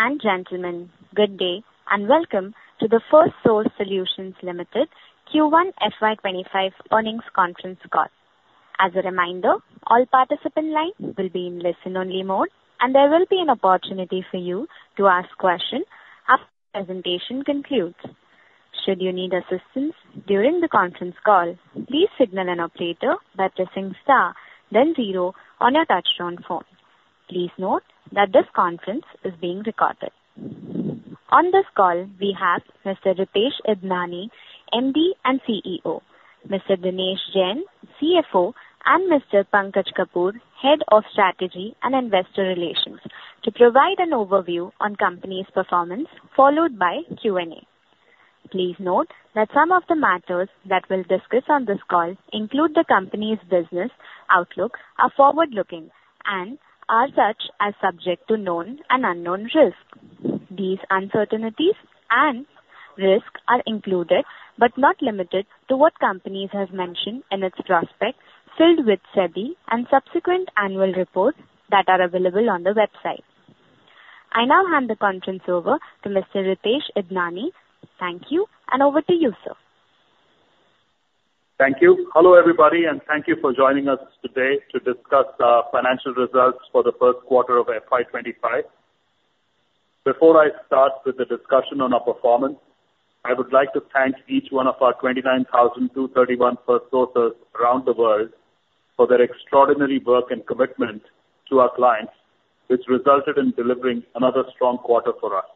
Ladies and gentlemen, good day and welcome to the Firstsource Solutions Limited Q1 FY25 earnings conference call. As a reminder, all participants' lines will be in listen-only mode, and there will be an opportunity for you to ask questions after the presentation concludes. Should you need assistance during the conference call, please signal an operator by pressing star, then zero on your touch-tone phone. Please note that this conference is being recorded. On this call, we have Mr. Ritesh Idnani, MD and CEO, Mr. Dinesh Jain, CFO, and Mr. Pankaj Kapoor, Head of Strategy and Investor Relations, to provide an overview on the company's performance, followed by Q&A. Please note that some of the matters that we'll discuss on this call include the company's business outlook, are forward-looking, and are subject to known and unknown risks. These uncertainties and risks are included but not limited to what the company has mentioned in its prospectus, filed with SEBI and subsequent annual reports that are available on the website. I now hand the conference over to Mr. Ritesh Idnani. Thank you, and over to you, sir. Thank you. Hello, everybody, and thank you for joining us today to discuss the financial results for the first quarter of FY25. Before I start with the discussion on our performance, I would like to thank each one of our 29,231 Firstsources around the world for their extraordinary work and commitment to our clients, which resulted in delivering another strong quarter for us.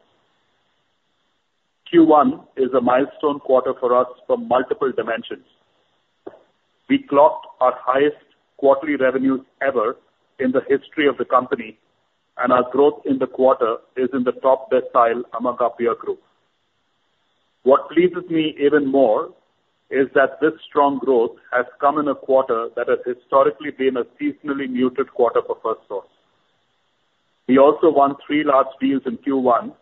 Q1 is a milestone quarter for us from multiple dimensions. We clocked our highest quarterly revenues ever in the history of the company, and our growth in the quarter is in the top decile among our peer group. What pleases me even more is that this strong growth has come in a quarter that has historically been a seasonally muted quarter for Firstsource. We also won three large deals in Q1,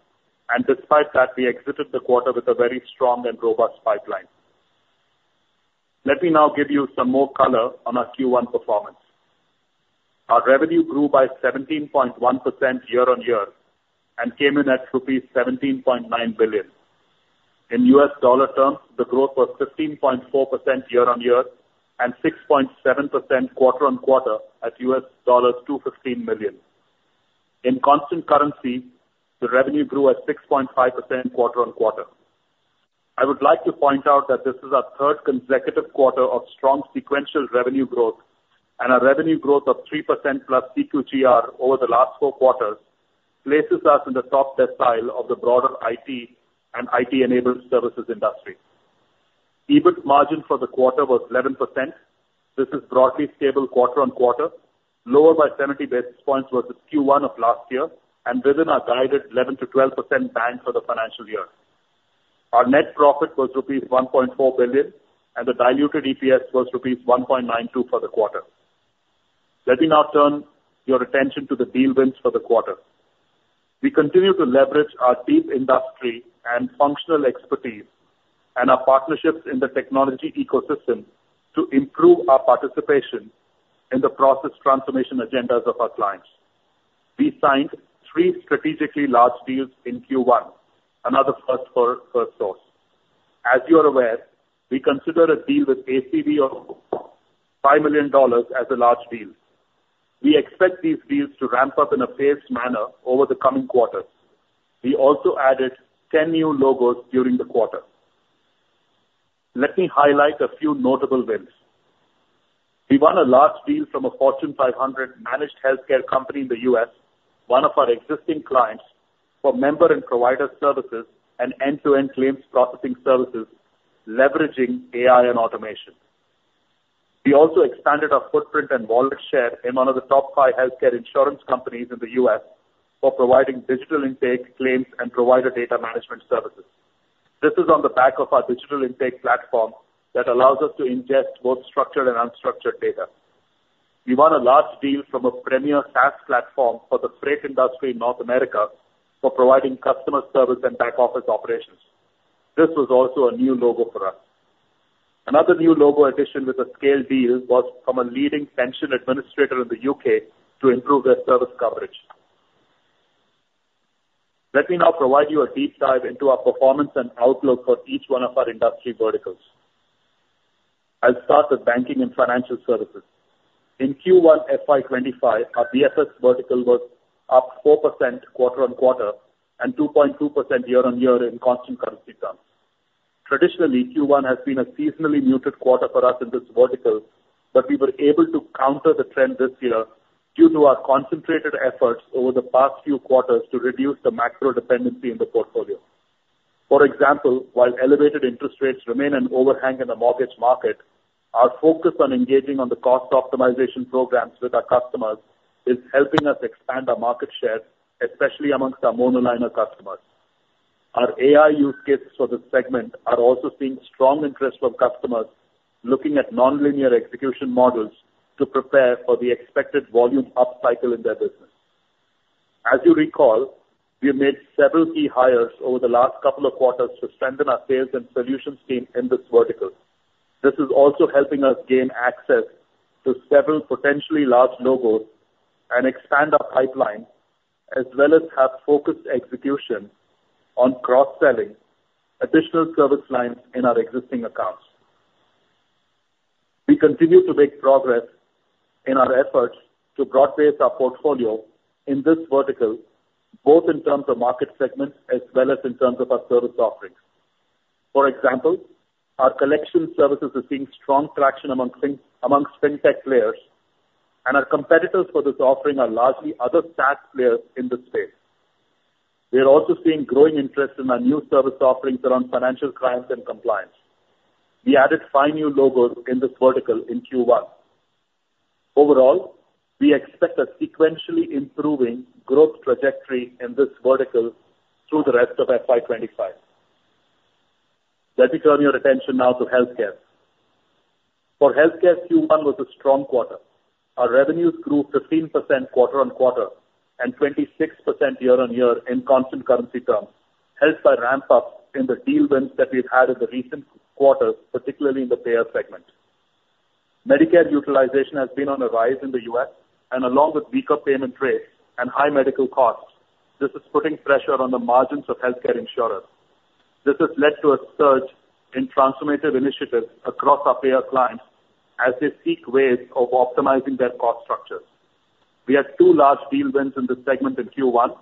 and despite that, we exited the quarter with a very strong and robust pipeline. Let me now give you some more color on our Q1 performance. Our revenue grew by 17.1% year-on-year and came in at ₹17.9 billion. In US dollar terms, the growth was 15.4% year-on-year and 6.7% quarter-on-quarter at $215 million. In constant currency, the revenue grew at 6.5% quarter-on-quarter. I would like to point out that this is our third consecutive quarter of strong sequential revenue growth, and our revenue growth of 3%+ CQGR over the last four quarters places us in the top decile of the broader IT and IT-enabled services industry. EBIT margin for the quarter was 11%. This is broadly stable quarter-on-quarter, lower by 70 basis points versus Q1 of last year, and within our guided 11%-12% band for the financial year. Our net profit was ₹1.4 billion, and the diluted EPS was ₹1.92 for the quarter. Let me now turn your attention to the deal wins for the quarter. We continue to leverage our deep industry and functional expertise and our partnerships in the technology ecosystem to improve our participation in the process transformation agendas of our clients. We signed three strategically large deals in Q1, another first for Firstsource. As you are aware, we consider a deal with ACV of $5 million as a large deal. We expect these deals to ramp up in a phased manner over the coming quarters. We also added 10 new logos during the quarter. Let me highlight a few notable wins. We won a large deal from a Fortune 500 managed healthcare company in the US, one of our existing clients, for member and provider services and end-to-end claims processing services leveraging AI and automation. We also expanded our footprint and wallet share in one of the top five healthcare insurance companies in the U.S. for providing digital intake claims and provider data management services. This is on the back of our digital intake platform that allows us to ingest both structured and unstructured data. We won a large deal from a premier SaaS platform for the freight industry in North America for providing customer service and back office operations. This was also a new logo for us. Another new logo addition with a scale deal was from a leading pension administrator in the U.K. to improve their service coverage. Let me now provide you a deep dive into our performance and outlook for each one of our industry verticals. I'll start with banking and financial services. In Q1 FY25, our BFS vertical was up 4% quarter-on-quarter and 2.2% year-on-year in constant currency terms. Traditionally, Q1 has been a seasonally muted quarter for us in this vertical, but we were able to counter the trend this year due to our concentrated efforts over the past few quarters to reduce the macro dependency in the portfolio. For example, while elevated interest rates remain an overhang in the mortgage market, our focus on engaging on the cost optimization programs with our customers is helping us expand our market share, especially among our monoline customers. Our AI use cases for the segment are also seeing strong interest from customers looking at non-linear execution models to prepare for the expected volume up cycle in their business. As you recall, we have made several key hires over the last couple of quarters to strengthen our sales and solutions team in this vertical. This is also helping us gain access to several potentially large logos and expand our pipeline, as well as have focused execution on cross-selling additional service lines in our existing accounts. We continue to make progress in our efforts to broaden our portfolio in this vertical, both in terms of market segments as well as in terms of our service offerings. For example, our collection services are seeing strong traction among fintech players, and our competitors for this offering are largely other SaaS players in this space. We are also seeing growing interest in our new service offerings around Financial Crime and Compliance. We added five new logos in this vertical in Q1. Overall, we expect a sequentially improving growth trajectory in this vertical through the rest of FY25. Let me turn your attention now to healthcare. For healthcare, Q1 was a strong quarter. Our revenues grew 15% quarter-on-quarter and 26% year-on-year in constant currency terms, helped by ramp-ups in the deal wins that we've had in the recent quarters, particularly in the payer segment. Medicare utilization has been on the rise in the U.S., and along with weaker payment rates and high medical costs, this is putting pressure on the margins of healthcare insurers. This has led to a surge in transformative initiatives across our payer clients as they seek ways of optimizing their cost structures. We had two large deal wins in this segment in Q1,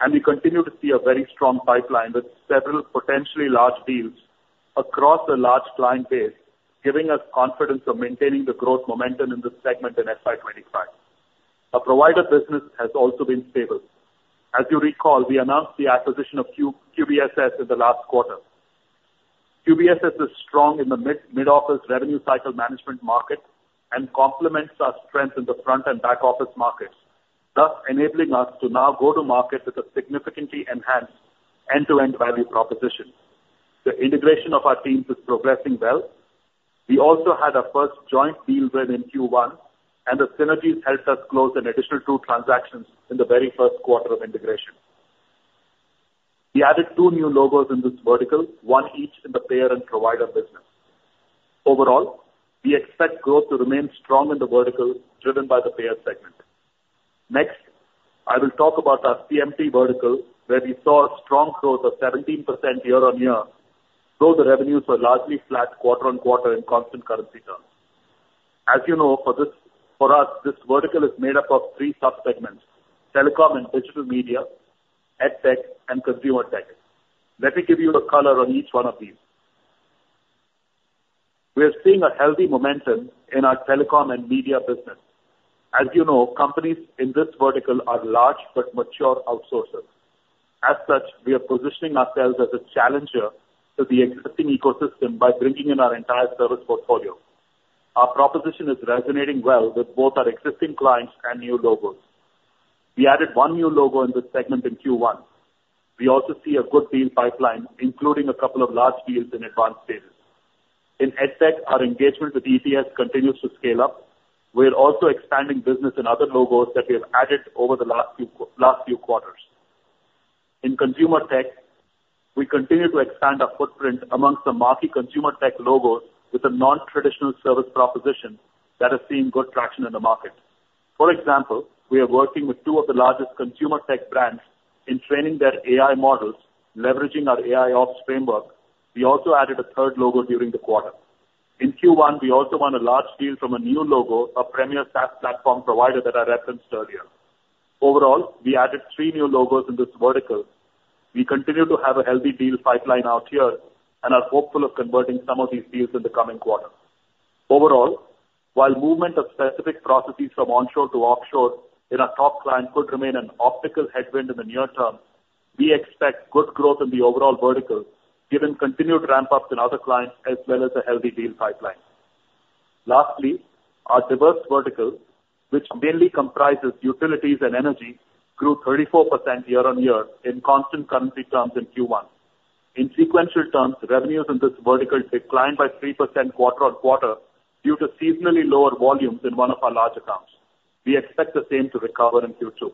and we continue to see a very strong pipeline with several potentially large deals across a large client base, giving us confidence of maintaining the growth momentum in this segment in FY25. Our provider business has also been stable. As you recall, we announced the acquisition of QBSS in the last quarter. QBSS is strong in the mid-office revenue cycle management market and complements our strength in the front and back office markets, thus enabling us to now go to market with a significantly enhanced end-to-end value proposition. The integration of our teams is progressing well. We also had our first joint deal win in Q1, and the synergies helped us close an additional two transactions in the very first quarter of integration. We added two new logos in this vertical, one each in the payer and provider business. Overall, we expect growth to remain strong in the vertical driven by the payer segment. Next, I will talk about our CMT vertical, where we saw a strong growth of 17% year-on-year, though the revenues were largely flat quarter-on-quarter in constant currency terms. As you know, for us, this vertical is made up of three subsegments: telecom and digital media, edtech, and consumer tech. Let me give you a color on each one of these. We are seeing a healthy momentum in our telecom and media business. As you know, companies in this vertical are large but mature outsourcers. As such, we are positioning ourselves as a challenger to the existing ecosystem by bringing in our entire service portfolio. Our proposition is resonating well with both our existing clients and new logos. We added one new logo in this segment in Q1. We also see a good deal pipeline, including a couple of large deals in advanced stages. In edtech, our engagement with ETS continues to scale up. We are also expanding business in other logos that we have added over the last few quarters. In consumer tech, we continue to expand our footprint amongst the marquee consumer tech logos with a non-traditional service proposition that has seen good traction in the market. For example, we are working with two of the largest consumer tech brands in training their AI models, leveraging our AIOps framework. We also added a third logo during the quarter. In Q1, we also won a large deal from a new logo, a premier SaaS platform provider that I referenced earlier. Overall, we added three new logos in this vertical. We continue to have a healthy deal pipeline out here and are hopeful of converting some of these deals in the coming quarter. Overall, while movement of specific processes from onshore to offshore in our top client could remain an optical headwind in the near term, we expect good growth in the overall vertical given continued ramp-ups in other clients as well as a healthy deal pipeline. Lastly, our diverse vertical, which mainly comprises utilities and energy, grew 34% year-on-year in constant currency terms in Q1. In sequential terms, revenues in this vertical declined by 3% quarter-on-quarter due to seasonally lower volumes in one of our large accounts. We expect the same to recover in Q2.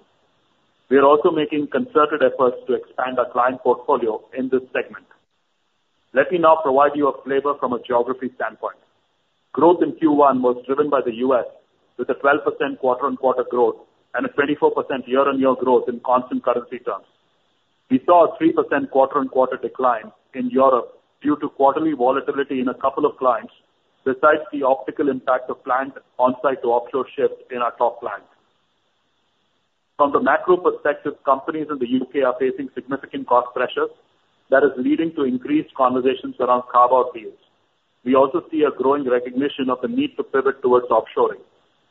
We are also making concerted efforts to expand our client portfolio in this segment. Let me now provide you a flavor from a geography standpoint. Growth in Q1 was driven by the U.S. with a 12% quarter-on-quarter growth and a 24% year-on-year growth in constant currency terms. We saw a 3% quarter-on-quarter decline in Europe due to quarterly volatility in a couple of clients, besides the optical impact of planned onsite to offshore shift in our top clients. From the macro perspective, companies in the U.K. are facing significant cost pressures that are leading to increased conversations around carve-out deals. We also see a growing recognition of the need to pivot towards offshoring.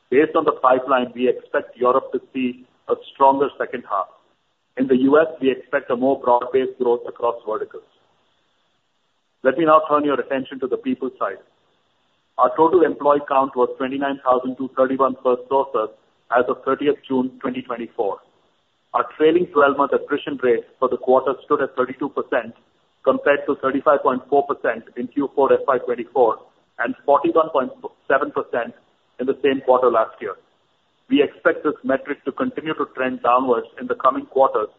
Based on the pipeline, we expect Europe to see a stronger second half. In the U.S., we expect a more broad-based growth across verticals. Let me now turn your attention to the people side. Our total employee count was 29,231 Firstsources as of 30th June 2024. Our trailing 12-month attrition rate for the quarter stood at 32% compared to 35.4% in Q4 FY2024 and 41.7% in the same quarter last year. We expect this metric to continue to trend downward in the coming quarters,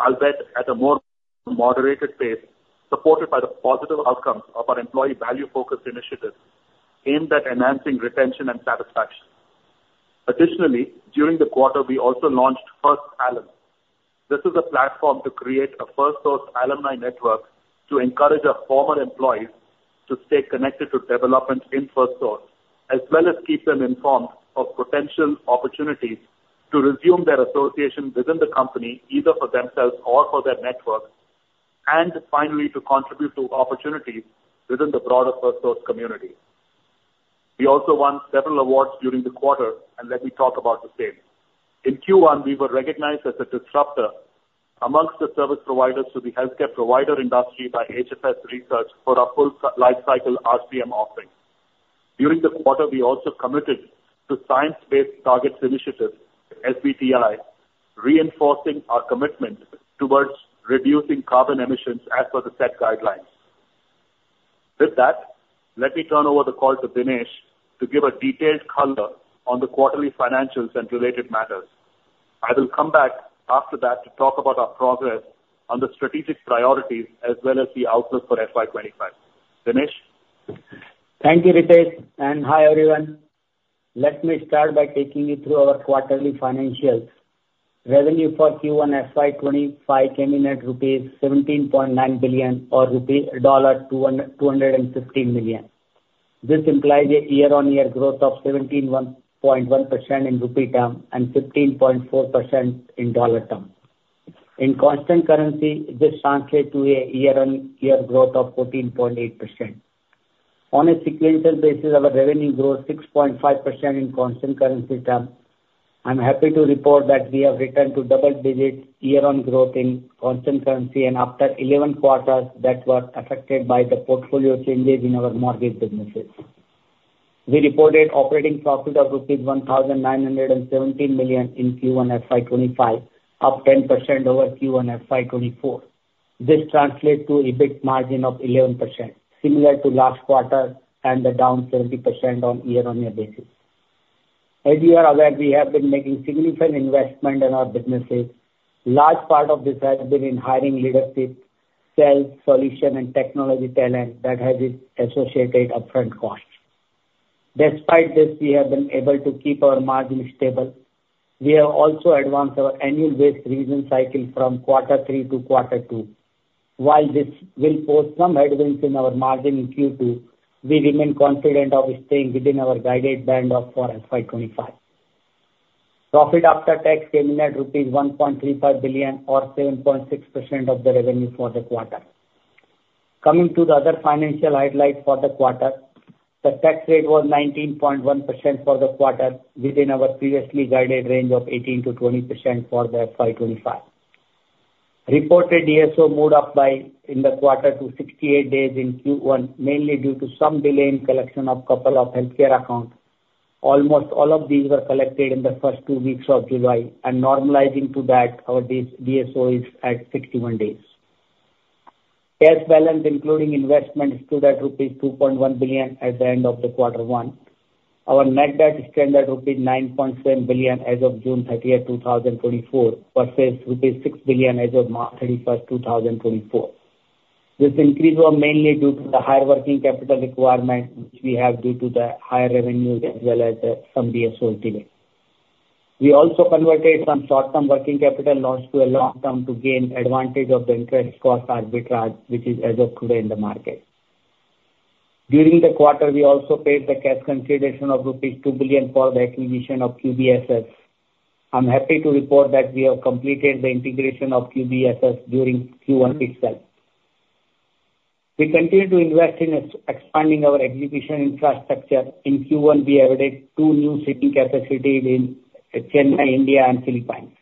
albeit at a more moderated pace, supported by the positive outcomes of our employee value-focused initiatives aimed at enhancing retention and satisfaction. Additionally, during the quarter, we also launched First Alum. This is a platform to create a Firstsource alumni network to encourage our former employees to stay connected to development in Firstsource, as well as keep them informed of potential opportunities to resume their association within the company, either for themselves or for their network, and finally to contribute to opportunities within the broader Firstsource community. We also won several awards during the quarter, and let me talk about the sales. In Q1, we were recognized as a disruptor among the service providers to the healthcare provider industry by HFS Research for our full lifecycle RCM offering. During the quarter, we also committed to Science Based Targets initiative, SBTi, reinforcing our commitment toward reducing carbon emissions as per the SBTi guidelines. With that, let me turn over the call to Dinesh to give a detailed color on the quarterly financials and related matters. I will come back after that to talk about our progress on the strategic priorities as well as the outlook for FY25. Dinesh? Thank you, Ritesh, and hi everyone. Let me start by taking you through our quarterly financials. Revenue for Q1 FY25 came in at INR 17.9 billion or $215 million. This implies a year-on-year growth of 17.1% in rupee terms and 15.4% in dollar terms. In constant currency, this translates to a year-on-year growth of 14.8%. On a sequential basis, our revenue grew 6.5% in constant currency terms. I'm happy to report that we have returned to double-digit year-on-year growth in constant currency and after 11 quarters that were affected by the portfolio changes in our mortgage businesses. We reported operating profit of rupees 1,917 million in Q1 FY25, up 10% over Q1 FY24. This translates to an EBIT margin of 11%, similar to last quarter and then down 70% on a year-on-year basis. As you are aware, we have been making significant investment in our businesses. A large part of this has been in hiring leadership, sales, solution, and technology talent that has its associated upfront costs. Despite this, we have been able to keep our margin stable. We have also advanced our annual base revision cycle from Q3 to Q2. While this will pose some headwinds in our margin in Q2, we remain confident of staying within our guided band of for FY25. Profit after tax came in at rupees 1.35 billion or 7.6% of the revenue for the quarter. Coming to the other financial highlights for the quarter, the tax rate was 19.1% for the quarter within our previously guided range of 18%-20% for the FY25. Reported DSO moved up by seven in the quarter to 68 days in Q1, mainly due to some delay in collection of a couple of healthcare accounts. Almost all of these were collected in the first two weeks of July, and normalizing to that, our DSO is at 61 days. Cash balance, including investment, stood at rupees 2.1 billion at the end of quarter one. Our net debt is still at rupees 9.7 billion as of June 30th, 2024, versus rupees 6 billion as of March 31st, 2024. This increase was mainly due to the higher working capital requirement, which we have due to the higher revenues as well as some DSO delay. We also converted some short-term working capital loss to a long-term to gain advantage of the interest cost arbitrage, which is as of today in the market. During the quarter, we also paid the cash consideration of rupees 2 billion for the acquisition of QBSS. I'm happy to report that we have completed the integration of QBSS during Q1 itself. We continue to invest in expanding our exhibition infrastructure. In Q1, we added two new seating capacities in Chennai, India, and Philippines.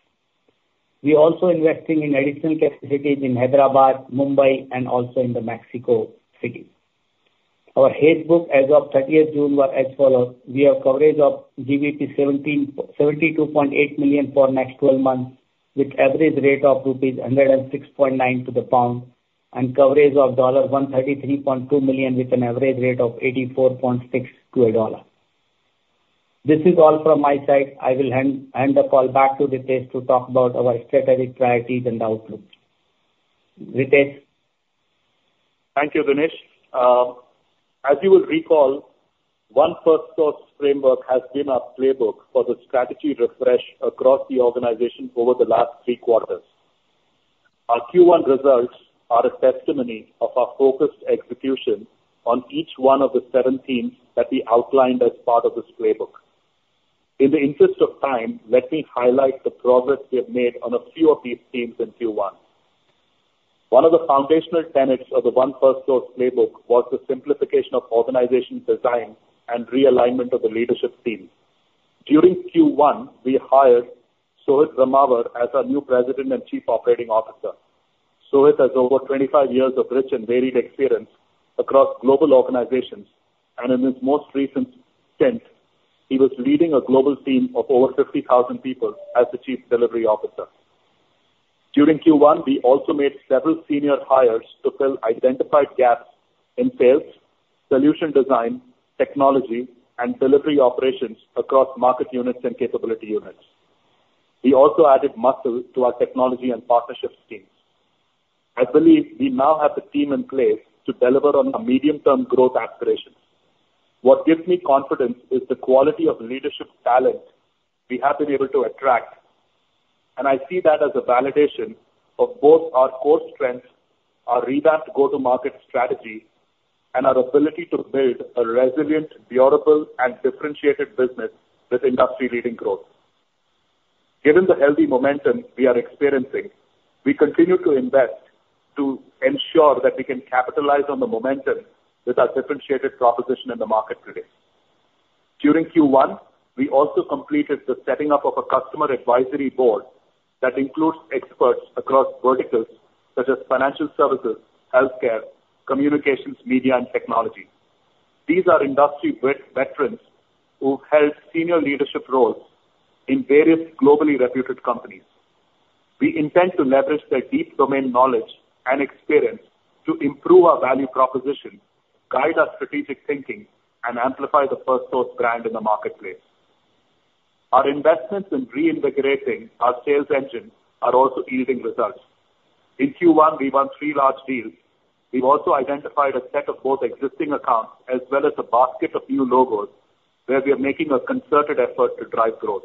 We are also investing in additional capacities in Hyderabad, Mumbai, and also in the Mexico City. Our Hedge Book as of 30th June was as follows. We have coverage of GBP 72.8 million for the next 12 months with an average rate of rupees 106.9 to the pound and coverage of $133.2 million with an average rate of 84.6 to a dollar. This is all from my side. I will hand the call back to Ritesh to talk about our strategic priorities and outlook. Ritesh? Thank you, Dinesh. As you will recall, one Firstsource Framework has been our playbook for the strategy refresh across the organization over the last three quarters. Our Q1 results are a testimony of our focused execution on each one of the seven themes that we outlined as part of this playbook. In the interest of time, let me highlight the progress we have made on a few of these themes in Q1. One of the foundational tenets of the One Firstsource Playbook was the simplification of organization design and realignment of the leadership team. During Q1, we hired Sohit Brahmawar as our new President and Chief Operating Officer. Sohit has over 25 years of rich and varied experience across global organizations, and in his most recent stint, he was leading a global team of over 50,000 people as the Chief Delivery Officer. During Q1, we also made several senior hires to fill identified gaps in sales, solution design, technology, and delivery operations across market units and capability units. We also added muscle to our technology and partnership schemes. I believe we now have the team in place to deliver on our medium-term growth aspirations. What gives me confidence is the quality of leadership talent we have been able to attract, and I see that as a validation of both our core strengths, our revamped go-to-market strategy, and our ability to build a resilient, durable, and differentiated business with industry-leading growth. Given the healthy momentum we are experiencing, we continue to invest to ensure that we can capitalize on the momentum with our differentiated proposition in the market today. During Q1, we also completed the setting up of a customer advisory board that includes experts across verticals such as financial services, healthcare, communications, media, and technology. These are industry veterans who held senior leadership roles in various globally reputed companies. We intend to leverage their deep domain knowledge and experience to improve our value proposition, guide our strategic thinking, and amplify the Firstsource brand in the marketplace. Our investments in reinvigorating our sales engine are also yielding results. In Q1, we won three large deals. We've also identified a set of both existing accounts as well as a basket of new logos where we are making a concerted effort to drive growth.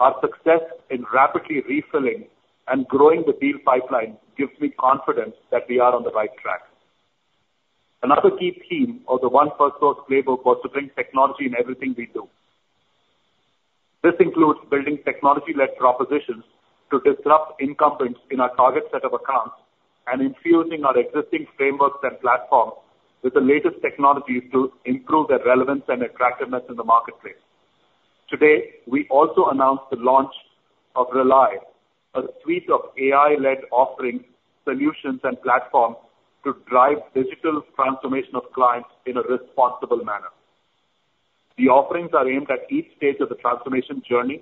Our success in rapidly refilling and growing the deal pipeline gives me confidence that we are on the right track. Another key theme of the One Firstsource Playbook was to bring technology in everything we do. This includes building technology-led propositions to disrupt incumbents in our target set of accounts and infusing our existing frameworks and platforms with the latest technologies to improve their relevance and attractiveness in the marketplace. Today, we also announced the launch of relAI, a suite of AI-led offerings, solutions, and platforms to drive digital transformation of clients in a responsible manner. The offerings are aimed at each stage of the transformation journey,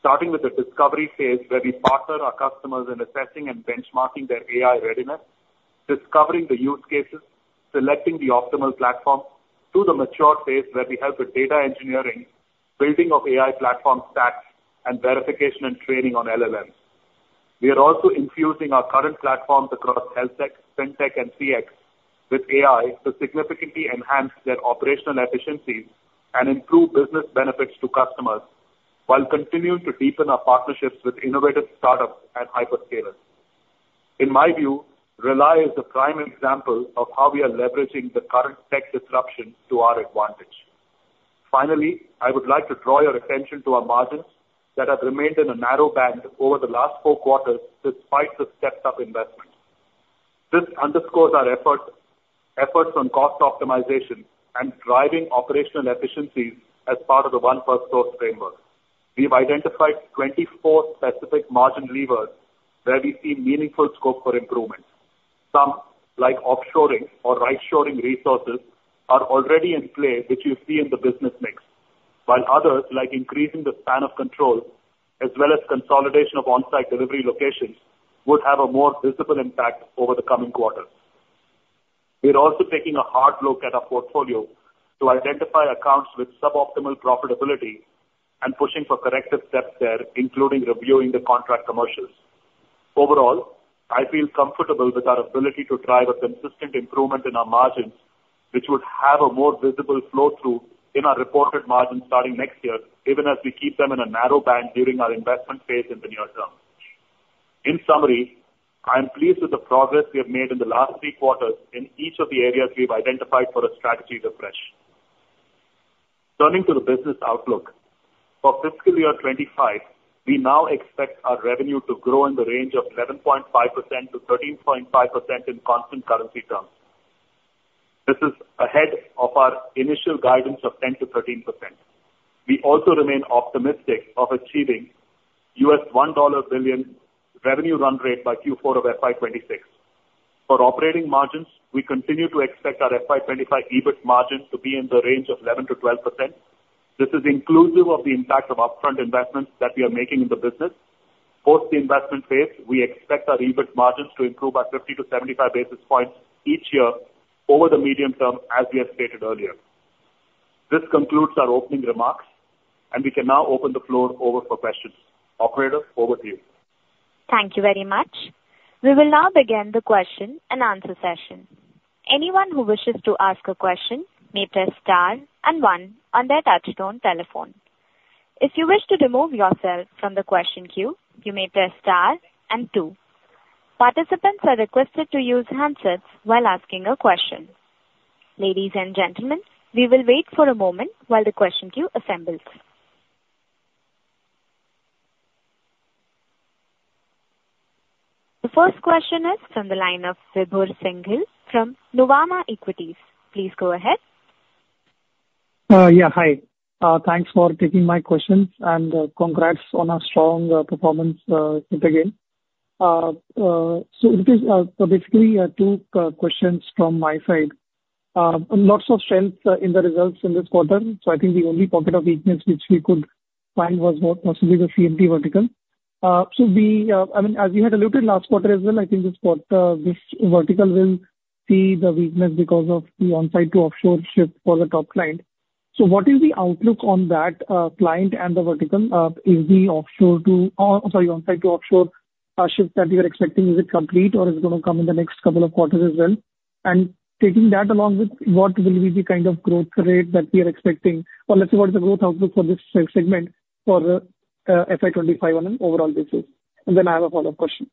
starting with the discovery phase where we partner our customers in assessing and benchmarking their AI readiness, discovering the use cases, selecting the optimal platform, to the mature phase where we help with data engineering, building of AI platform stacks, and verification and training on LLMs. We are also infusing our current platforms across HealthTech, FinTech, and CX with AI to significantly enhance their operational efficiencies and improve business benefits to customers while continuing to deepen our partnerships with innovative startups and hyperscalers. In my view, relAI is the prime example of how we are leveraging the current tech disruption to our advantage. Finally, I would like to draw your attention to our margins that have remained in a narrow band over the last four quarters despite the stepped-up investment. This underscores our efforts on cost optimization and driving operational efficiencies as part of the One Firstsource Framework. We've identified 24 specific margin levers where we see meaningful scope for improvement. Some, like offshoring or right-shoring resources, are already in play, which you see in the business mix, while others, like increasing the span of control as well as consolidation of onsite delivery locations, would have a more visible impact over the coming quarters. We're also taking a hard look at our portfolio to identify accounts with suboptimal profitability and pushing for corrective steps there, including reviewing the contract commercials. Overall, I feel comfortable with our ability to drive a consistent improvement in our margins, which would have a more visible flow-through in our reported margins starting next year, even as we keep them in a narrow band during our investment phase in the near term. In summary, I am pleased with the progress we have made in the last three quarters in each of the areas we've identified for a strategy refresh. Turning to the business outlook, for FY25, we now expect our revenue to grow in the range of 11.5%-13.5% in constant currency terms. This is ahead of our initial guidance of 10%-13%. We also remain optimistic of achieving $1 billion revenue run rate by Q4 of FY26. For operating margins, we continue to expect our FY25 EBIT margin to be in the range of 11%-12%. This is inclusive of the impact of upfront investments that we are making in the business. Post the investment phase, we expect our EBIT margins to improve by 50 to 75 basis points each year over the medium term, as we have stated earlier. This concludes our opening remarks, and we can now open the floor over for questions. Operator, over to you. Thank you very much. We will now begin the question and answer session. Anyone who wishes to ask a question may press star and one on their touchtone telephone. If you wish to remove yourself from the question queue, you may press star and two. Participants are requested to use handsets while asking a question. Ladies and gentlemen, we will wait for a moment while the question queue assembles. The first question is from the line of Vibhor Singhal from Nuvama Equities. Please go ahead. Yeah, hi. Thanks for taking my questions, and congrats on a strong performance yet again. So basically, two questions from my side. Lots of strength in the results in this quarter, so I think the only pocket of weakness which we could find was possibly the CMT vertical. So I mean, as you had alluded last quarter as well, I think this vertical will see the weakness because of the onsite to offshore shift for the top client. So what is the outlook on that client and the vertical? Is the onsite to offshore shift that we are expecting, is it complete, or is it going to come in the next couple of quarters as well? And taking that along with, what will be the kind of growth rate that we are expecting? Or let's say, what is the growth outlook for this segment for FY25 on an overall basis? And then I have a follow-up question.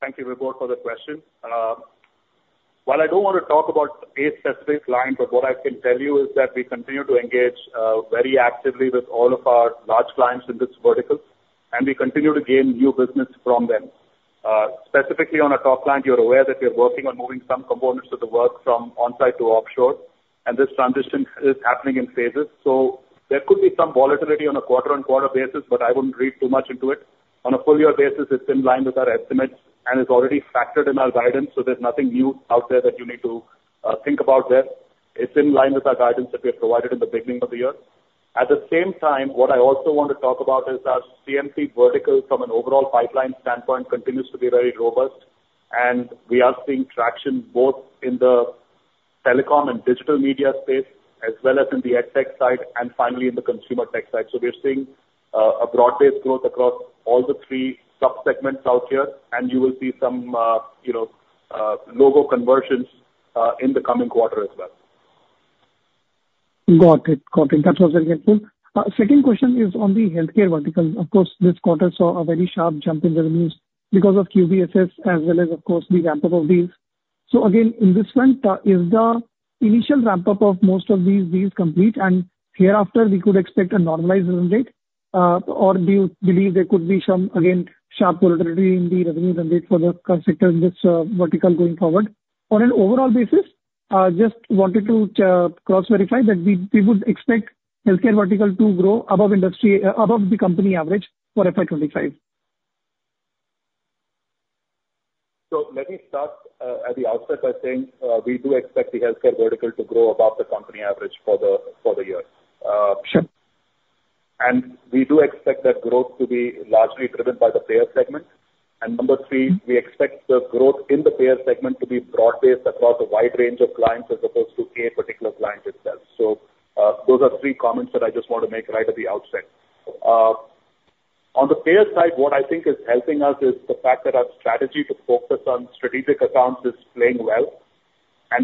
Thank you, Vibhor, for the question. While I don't want to talk about a specific client, but what I can tell you is that we continue to engage very actively with all of our large clients in this vertical, and we continue to gain new business from them. Specifically, on our top client, you're aware that we are working on moving some components of the work from onsite to offshore, and this transition is happening in phases. So there could be some volatility on a quarter-on-quarter basis, but I wouldn't read too much into it. On a full-year basis, it's in line with our estimates, and it's already factored in our guidance, so there's nothing new out there that you need to think about there. It's in line with our guidance that we have provided in the beginning of the year. At the same time, what I also want to talk about is our CMT vertical from an overall pipeline standpoint continues to be very robust, and we are seeing traction both in the telecom and digital media space as well as in the Edtech side and finally in the consumer tech side. So we're seeing a broad-based growth across all the three subsegments out here, and you will see some logo conversions in the coming quarter as well. Got it. Got it. That was very helpful. Second question is on the healthcare vertical. Of course, this quarter saw a very sharp jump in revenues because of QBSS as well as, of course, the ramp-up of these. So again, in this one, is the initial ramp-up of most of these complete, and hereafter we could expect a normalized run rate? Or do you believe there could be some, again, sharp volatility in the revenue run rate for the sector in this vertical going forward? On an overall basis, just wanted to cross-verify that we would expect healthcare vertical to grow above the company average for FY25. So let me start at the outset by saying we do expect the healthcare vertical to grow above the company average for the year. And we do expect that growth to be largely driven by the payer segment. And number three, we expect the growth in the payer segment to be broad-based across a wide range of clients as opposed to a particular client itself. So those are three comments that I just want to make right at the outset. On the payer side, what I think is helping us is the fact that our strategy to focus on strategic accounts is playing well.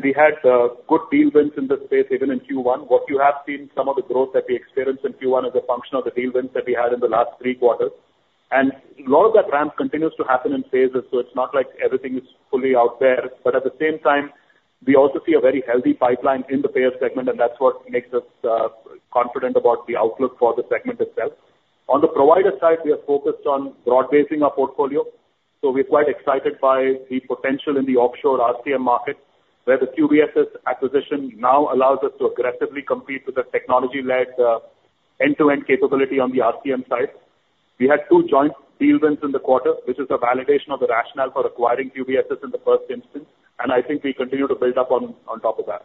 We had good deal wins in this space even in Q1. What you have seen, some of the growth that we experienced in Q1 is a function of the deal wins that we had in the last three quarters. A lot of that ramp continues to happen in phases, so it's not like everything is fully out there. At the same time, we also see a very healthy pipeline in the payer segment, and that's what makes us confident about the outlook for the segment itself. On the provider side, we are focused on broad-basing our portfolio, so we're quite excited by the potential in the offshore RCM market where the QBSS acquisition now allows us to aggressively compete with the technology-led end-to-end capability on the RCM side. We had two joint deal wins in the quarter, which is a validation of the rationale for acquiring QBSS in the first instance, and I think we continue to build up on top of that.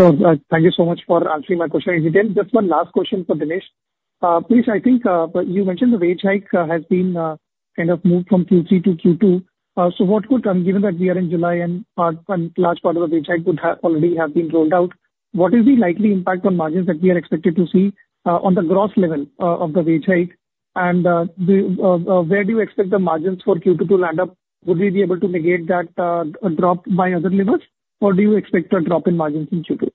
Thank you so much for answering my question. In detail, just one last question for Dinesh. Please, I think you mentioned the wage hike has been kind of moved from Q3 to Q2. So what could, given that we are in July and a large part of the wage hike would already have been rolled out, what is the likely impact on margins that we are expected to see on the gross level of the wage hike? And where do you expect the margins for Q2 to land up? Would we be able to negate that drop by other levels, or do you expect a drop in margins in Q2?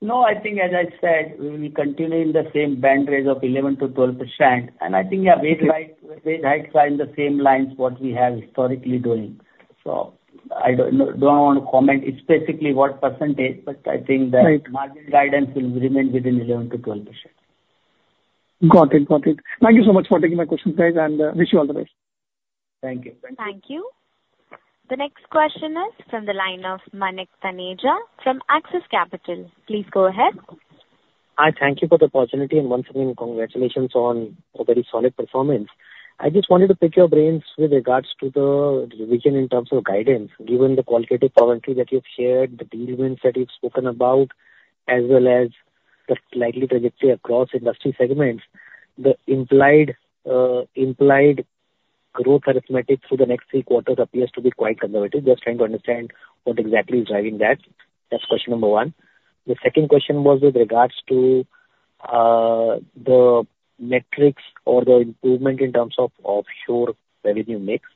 No, I think, as I said, we will continue in the same band range of 11%-12%. And I think our wage hikes are in the same lines as what we have historically done. So I don't want to comment specifically on what percentage, but I think that margin guidance will remain within 11%-12%. Got it. Got it. Thank you so much for taking my questions, guys, and wish you all the best. Thank you. Thank you. Thank you. The next question is from the line of Manik Taneja from Axis Capital. Please go ahead. Hi, thank you for the opportunity. And once again, congratulations on a very solid performance. I just wanted to pick your brains with regards to the revision in terms of guidance. Given the qualitative commentary that you've shared, the deal wins that you've spoken about, as well as the likely trajectory across industry segments, the implied growth arithmetic through the next three quarters appears to be quite conservative. Just trying to understand what exactly is driving that. That's question number one. The second question was with regards to the metrics or the improvement in terms of offshore revenue mix.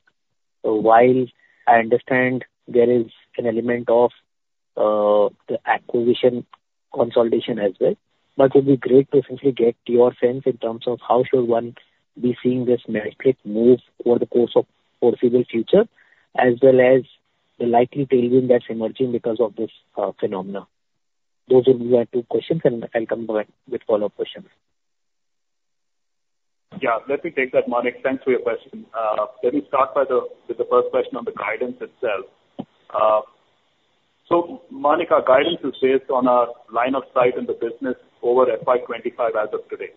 So while I understand there is an element of the acquisition consolidation as well, but it would be great to essentially get your sense in terms of how should one be seeing this metric move over the course of the foreseeable future, as well as the likely deal win that's emerging because of this phenomenon. Those would be my two questions, and I'll come back with follow-up questions. Yeah, let me take that, Manik, thanks for your question. Let me start with the first question on the guidance itself. So Manik, our guidance is based on our line of sight in the business over FY25 as of today.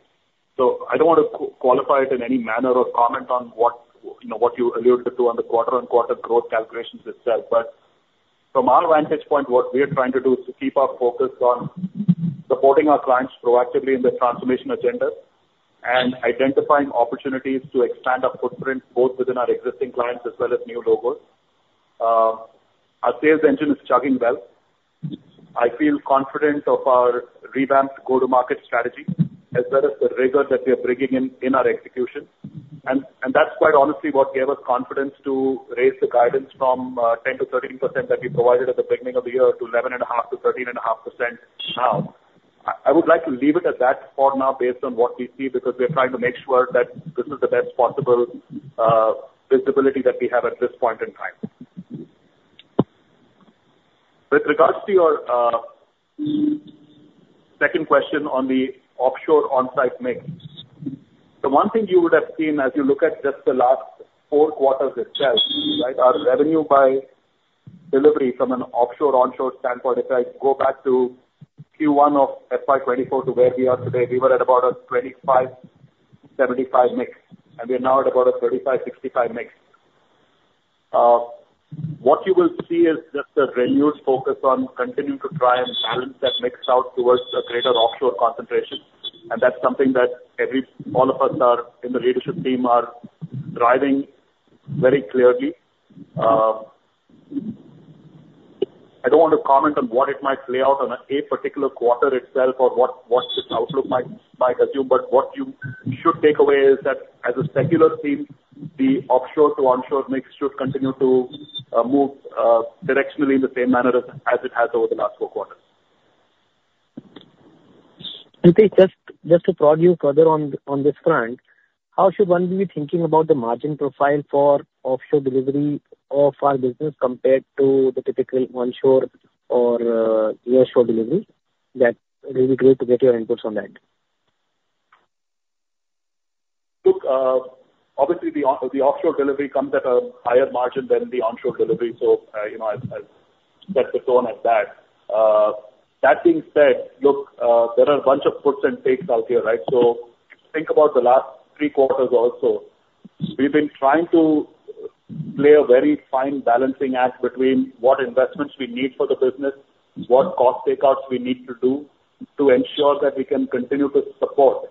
So I don't want to qualify it in any manner or comment on what you alluded to on the quarter-over-quarter growth calculations itself. But from our vantage point, what we are trying to do is to keep our focus on supporting our clients proactively in the transformation agenda and identifying opportunities to expand our footprint both within our existing clients as well as new logos. Our sales engine is chugging well. I feel confident of our revamped go-to-market strategy as well as the rigor that we are bringing in our execution. That's quite honestly what gave us confidence to raise the guidance from 10%-13% that we provided at the beginning of the year to 11.5%-13.5% now. I would like to leave it at that for now based on what we see because we are trying to make sure that this is the best possible visibility that we have at this point in time. With regards to your second question on the offshore onsite mix, the one thing you would have seen as you look at just the last four quarters itself, right, our revenue by delivery from an offshore-onshore standpoint, if I go back to Q1 of FY24 to where we are today, we were at about a 25%-75% mix, and we are now at about a 35%-65% mix. What you will see is just a renewed focus on continuing to try and balance that mix out towards a greater offshore concentration. That's something that all of us in the leadership team are driving very clearly. I don't want to comment on what it might play out on a particular quarter itself or what this outlook might assume, but what you should take away is that as a secular trend, the offshore-to-onshore mix should continue to move directionally in the same manner as it has over the last four quarters. Okay, just to prod you further on this front, how should one be thinking about the margin profile for offshore delivery of our business compared to the typical onshore or nearshore delivery? That would be great to get your inputs on that. Look, obviously, the offshore delivery comes at a higher margin than the onshore delivery, so I'll set the tone at that. That being said, look, there are a bunch of puts and takes out here, right? So think about the last three quarters also. We've been trying to play a very fine balancing act between what investments we need for the business, what cost takeouts we need to do to ensure that we can continue to support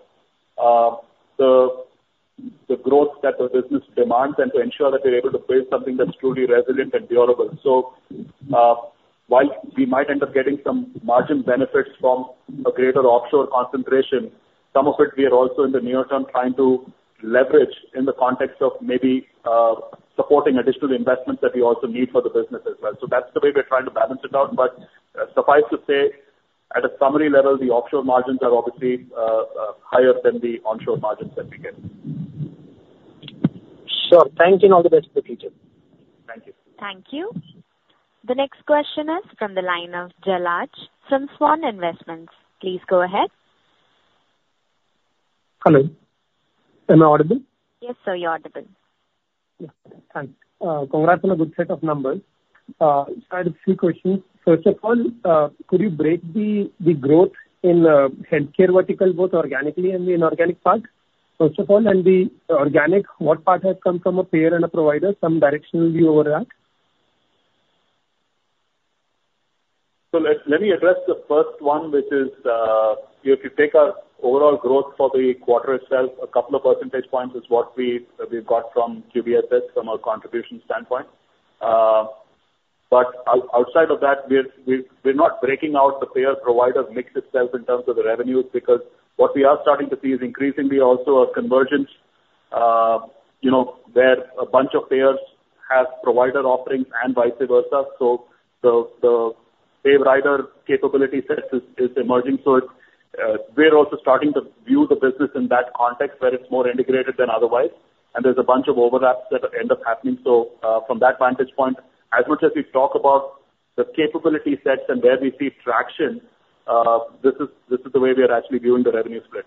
the growth that the business demands, and to ensure that we're able to build something that's truly resilient and durable. So while we might end up getting some margin benefits from a greater offshore concentration, some of it we are also in the near term trying to leverage in the context of maybe supporting additional investments that we also need for the business as well. So that's the way we're trying to balance it out. But suffice to say, at a summary level, the offshore margins are obviously higher than the onshore margins that we get. Sure. Thank you. And all the best in the future. Thank you. Thank you. The next question is from the line of Jalaj from Svan Investments.Please go ahead. Hello. Am I audible? Yes, sir, you're audible. Thanks. Congrats on a good set of numbers. I had a few questions. First of all, could you break the growth in the healthcare vertical both organically and the inorganic part? First of all, in the organic, what part has come from a payer and a provider? Some directional view over that? So let me address the first one, which is if you take our overall growth for the quarter itself, a couple of percentage points is what we've got from QBSS from a contribution standpoint. But outside of that, we're not breaking out the payer-provider mix itself in terms of the revenues because what we are starting to see is increasingly also a convergence where a bunch of payers have provider offerings and vice versa. So the payers' capability set is emerging. So we're also starting to view the business in that context where it's more integrated than otherwise. And there's a bunch of overlaps that end up happening. So from that vantage point, as much as we talk about the capability sets and where we see traction, this is the way we are actually viewing the revenue split.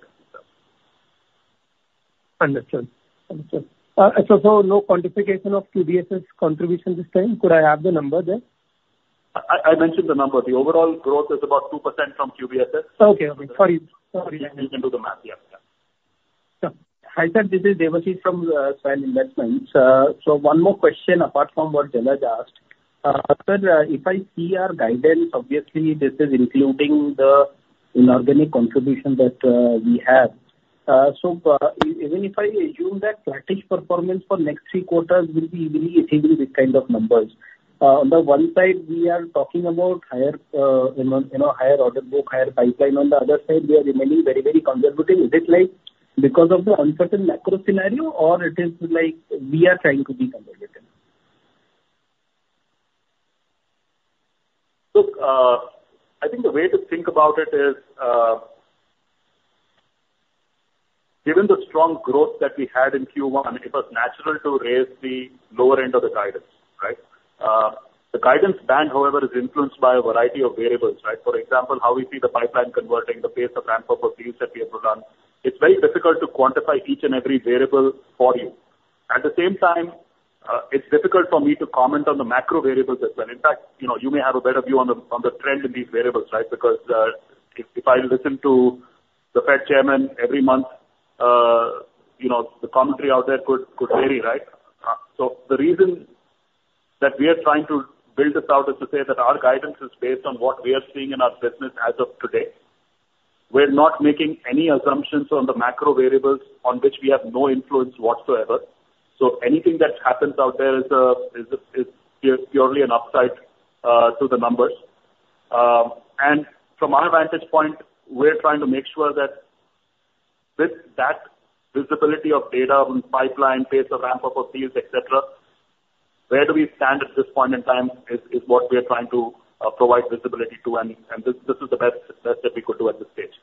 Understood. Understood. I saw no quantification of QBSS contribution this time. Could I have the number there? I mentioned the number. The overall growth is about 2% from QBSS. Okay. Okay. Sorry. You can do the math. Yeah. Yeah. Hi, sir. This is Debashish from Svan Investments. So one more question apart from what Jalaj asked. Sir, if I see our guidance, obviously, this is including the inorganic contribution that we have. So even if I assume that flattish performance for next three quarters will be easily achieving these kinds of numbers, on the one side, we are talking about higher order book, higher pipeline. On the other side, we are remaining very, very conservative. Is it because of the uncertain macro scenario, or it is like we are trying to be conservative? Look, I think the way to think about it is, given the strong growth that we had in Q1, it was natural to raise the lower end of the guidance, right? The guidance band, however, is influenced by a variety of variables, right? For example, how we see the pipeline converting, the pace of ramp-up of deals that we have to run. It's very difficult to quantify each and every variable for you. At the same time, it's difficult for me to comment on the macro variables as well. In fact, you may have a better view on the trend in these variables, right? Because if I listen to the Fed chairman every month, the commentary out there could vary, right? So the reason that we are trying to build this out is to say that our guidance is based on what we are seeing in our business as of today. We're not making any assumptions on the macro variables on which we have no influence whatsoever. So anything that happens out there is purely an upside to the numbers. And from our vantage point, we're trying to make sure that with that visibility of data on pipeline, pace of ramp-up of deals, etc., where do we stand at this point in time is what we are trying to provide visibility to. And this is the best that we could do at this stage.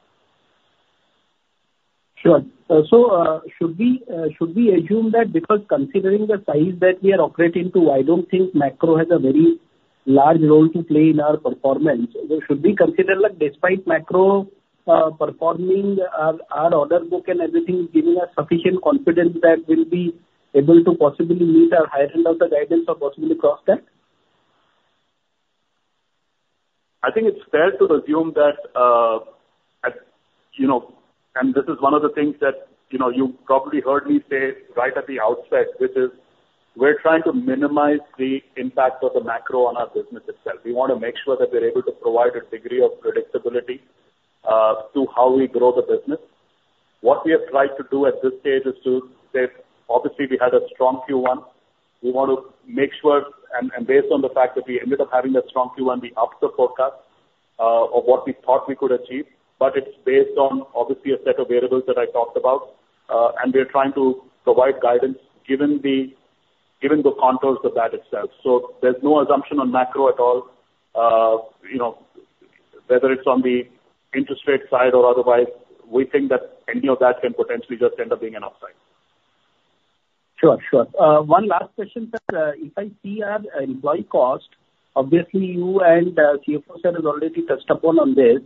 Sure. So should we assume that because considering the size that we are operating to, I don't think macro has a very large role to play in our performance? Should we consider that despite macro performing, our order book and everything is giving us sufficient confidence that we'll be able to possibly meet our higher end of the guidance or possibly cross that? I think it's fair to assume that, and this is one of the things that you probably heard me say right at the outset, which is we're trying to minimize the impact of the macro on our business itself. We want to make sure that we're able to provide a degree of predictability to how we grow the business. What we have tried to do at this stage is to say, obviously, we had a strong Q1. We want to make sure, and based on the fact that we ended up having a strong Q1, we upped the forecast of what we thought we could achieve. It's based on, obviously, a set of variables that I talked about. We're trying to provide guidance given the contours of that itself. There's no assumption on macro at all, whether it's on the interest rate side or otherwise. We think that any of that can potentially just end up being an upside. Sure. Sure. One last question, sir. If I see our employee cost, obviously, you and CFO, sir, have already touched upon this.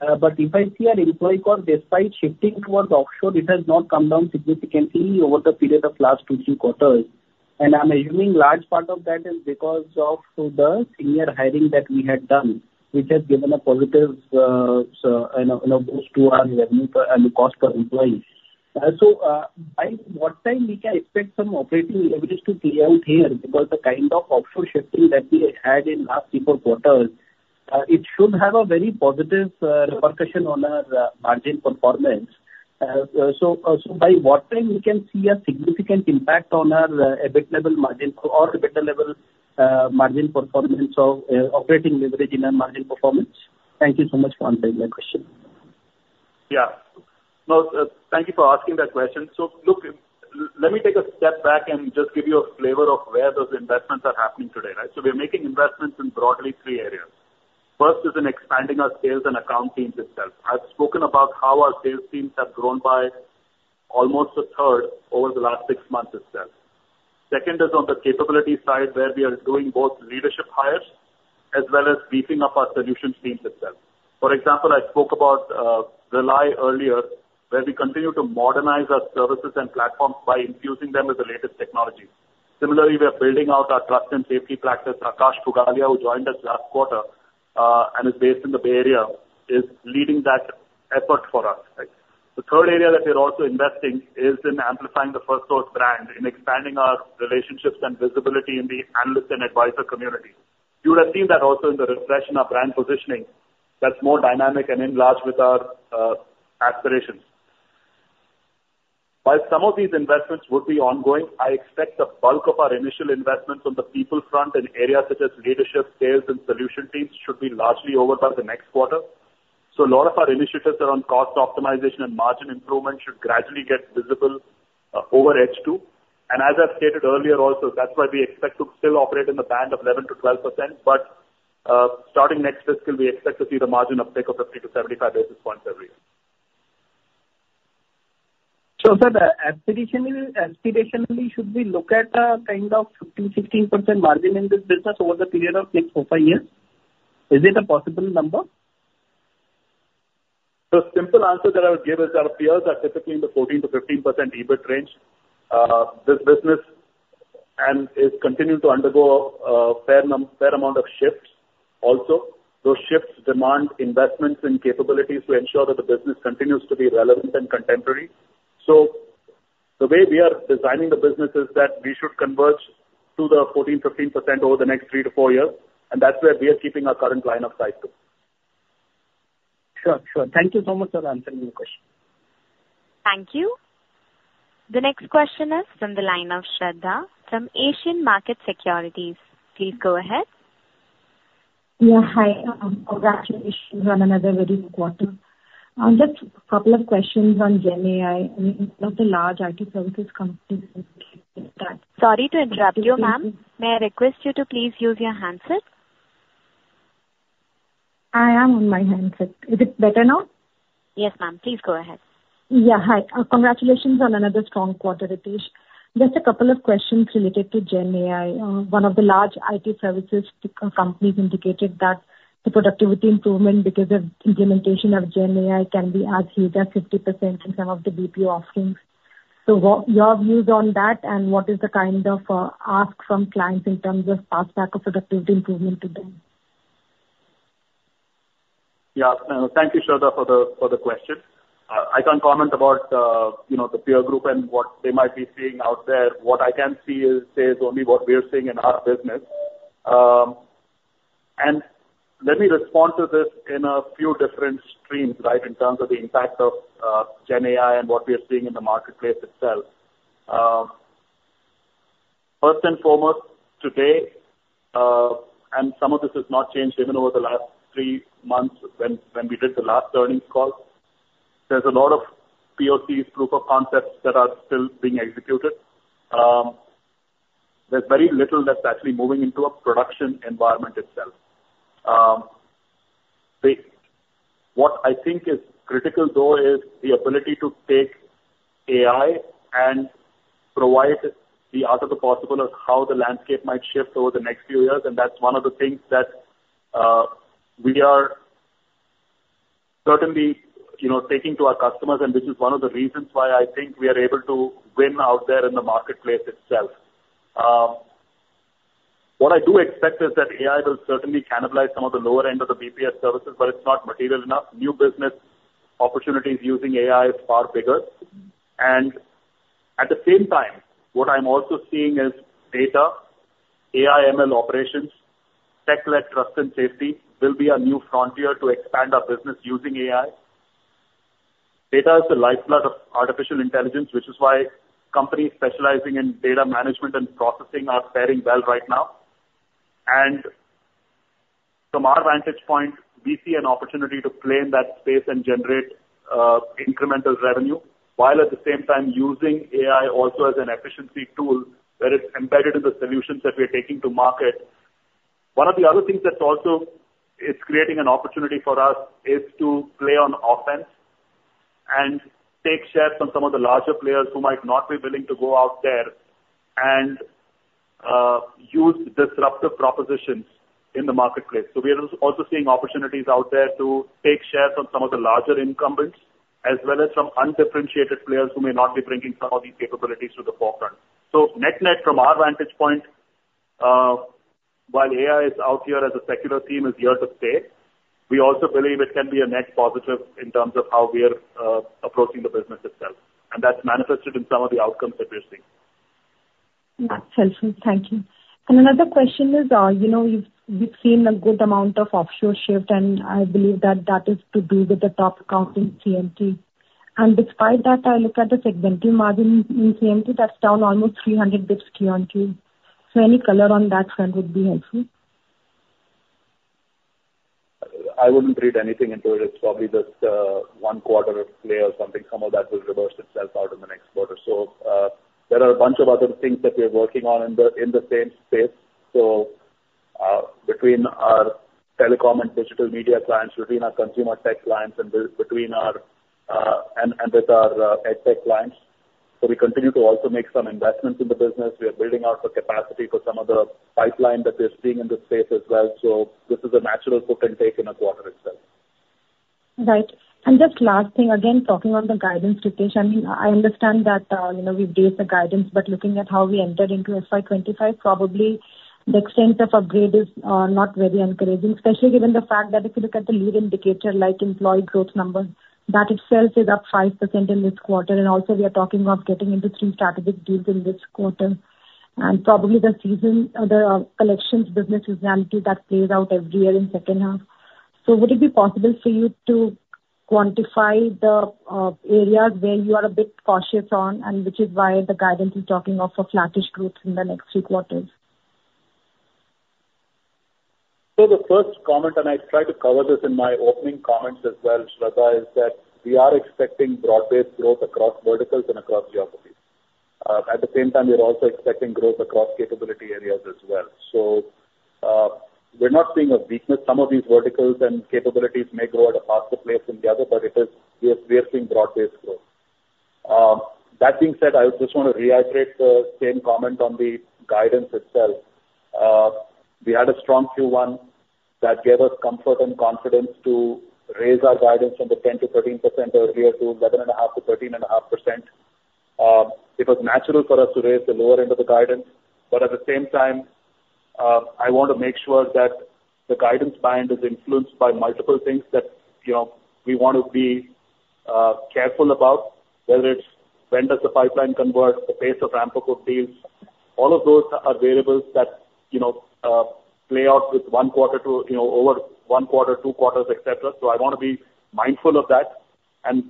If I see our employee cost, despite shifting towards offshore, it has not come down significantly over the period of last two, three quarters. I'm assuming a large part of that is because of the senior hiring that we had done, which has given a positive boost to our revenue and the cost per employee. By what time, we can expect some operating leverage to play out here? Because the kind of offshore shifting that we had in last three or four quarters, it should have a very positive repercussion on our margin performance. So by what time, we can see a significant impact on our EBIT level margin or EBIT level margin performance of operating leverage in our margin performance? Thank you so much for answering my question. Yeah. No, thank you for asking that question. So look, let me take a step back and just give you a flavor of where those investments are happening today, right? So we're making investments in broadly three areas. First is in expanding our sales and account teams itself. I've spoken about how our sales teams have grown by almost a third over the last six months itself. Second is on the capability side where we are doing both leadership hires as well as beefing up our solution teams itself. For example, I spoke about Relye earlier, where we continue to modernize our services and platforms by infusing them with the latest technology. Similarly, we are building out our trust and safety practice. Akash Pugalia, who joined us last quarter and is based in the Bay Area, is leading that effort for us, right? The third area that we're also investing is in amplifying the Firstsource brand, in expanding our relationships and visibility in the analyst and advisor community. You would have seen that also in the refresh in our brand positioning. That's more dynamic and in line with our aspirations. While some of these investments would be ongoing, I expect the bulk of our initial investments on the people front in areas such as leadership, sales, and solution teams should be largely over by the next quarter. So a lot of our initiatives around cost optimization and margin improvement should gradually get visible over time too. And as I've stated earlier also, that's why we expect to still operate in the band of 11%-12%. But starting next fiscal, we expect to see the margin uptake of 50 to 75 basis points every year. So, sir, aspirationally, should we look at a kind of 15%-16% margin in this business over the period of next four, five years? Is it a possible number? The simple answer that I would give is our peers are typically in the 14%-15% EBIT range. This business is continuing to undergo a fair amount of shifts also. Those shifts demand investments in capabilities to ensure that the business continues to be relevant and contemporary. So the way we are designing the business is that we should converge to the 14%-15% over the next three to four years. And that's where we are keeping our current line of sight too. Sure. Sure. Thank you so much for answering my question. Thank you. The next question is from the line of Shradha, from Asian Markets Securities.Please go ahead. Yeah. Hi. Congratulations on another very good quarter. Just a couple of questions on GenAI. I mean, a lot of large IT services companies in the. Sorry to interrupt you, ma'am. May I request you to please use your handset? I am on my handset. Is it better now? Yes, ma'am. Please go ahead. Yeah. Hi. Congratulations on another strong quarter, Ritesh. Just a couple of questions related to GenAI. One of the large IT services companies indicated that the productivity improvement because of implementation of GenAI can be as high as 50% in some of the BPO offerings. So your views on that and what is the kind of ask from clients in terms of fast track of productivity improvement today? Yeah. Thank you, Shradha, for the question. I can't comment about the peer group and what they might be seeing out there. What I can see is only what we are seeing in our business. And let me respond to this in a few different streams, right, in terms of the impact of GenAI and what we are seeing in the marketplace itself. First and foremost, today, and some of this has not changed even over the last three months when we did the last earnings call, there's a lot of POCs, proof of concepts that are still being executed. There's very little that's actually moving into a production environment itself. What I think is critical, though, is the ability to take AI and provide the art of the possible of how the landscape might shift over the next few years. And that's one of the things that we are certainly taking to our customers, and this is one of the reasons why I think we are able to win out there in the marketplace itself. What I do expect is that AI will certainly cannibalize some of the lower end of the BPO services, but it's not material enough. New business opportunities using AI are far bigger. At the same time, what I'm also seeing is data, AI/ML operations, tech-led trust and safety will be a new frontier to expand our business using AI. Data is the lifeblood of artificial intelligence, which is why companies specializing in data management and processing are pairing well right now. From our vantage point, we see an opportunity to play in that space and generate incremental revenue while at the same time using AI also as an efficiency tool that is embedded in the solutions that we are taking to market. One of the other things that's also creating an opportunity for us is to play on offense and take shares from some of the larger players who might not be willing to go out there and use disruptive propositions in the marketplace. So we are also seeing opportunities out there to take shares from some of the larger incumbents as well as from undifferentiated players who may not be bringing some of these capabilities to the forefront. So net-net from our vantage point, while AI is out here as a secular theme, it is here to stay. We also believe it can be a net positive in terms of how we are approaching the business itself. And that's manifested in some of the outcomes that we're seeing. That's helpful. Thank you. And another question is we've seen a good amount of offshore shift, and I believe that that is to do with the top account in CMT. And despite that, I look at the segmental margin in CMT that's down almost 300 basis points Q-on-Q. So any color on that front would be helpful. I wouldn't read anything into it. It's probably just one quarter play or something. Some of that will reverse itself out in the next quarter. So there are a bunch of other things that we're working on in the same space. So between our telecom and digital media clients, between our consumer tech clients, and with our edtech clients. So we continue to also make some investments in the business. We are building out the capacity for some of the pipeline that we're seeing in the space as well. So this is a natural put and take in a quarter itself. Right. And just last thing, again, talking on the guidance, Ritesh, I mean, I understand that we've raised the guidance, but looking at how we entered into FY25, probably the extent of upgrade is not very encouraging, especially given the fact that if you look at the lead indicator like employee growth numbers, that itself is up 5% in this quarter. And also, we are talking of getting into 3 strategic deals in this quarter. And probably the collections business is an entity that plays out every year in second half. So would it be possible for you to quantify the areas where you are a bit cautious on, and which is why the guidance is talking of a flattish growth in the next three quarters? So the first comment, and I tried to cover this in my opening comments as well, Shradha, is that we are expecting broad-based growth across verticals and across geographies. At the same time, we're also expecting growth across capability areas as well. So we're not seeing a weakness. Some of these verticals and capabilities may grow at a faster pace than the other, but we are seeing broad-based growth. That being said, I just want to reiterate the same comment on the guidance itself. We had a strong Q1 that gave us comfort and confidence to raise our guidance from the 10%-13% earlier to 11.5%-13.5%. It was natural for us to raise the lower end of the guidance. But at the same time, I want to make sure that the guidance band is influenced by multiple things that we want to be careful about, whether it's when does the pipeline convert, the pace of ramp-up of deals. All of those are variables that play out with one quarter to over one quarter, two quarters, etc. So I want to be mindful of that. And